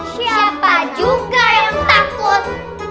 siapa juga yang takut